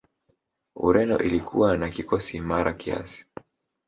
ureno ilikuwa na kikosi imara kiasi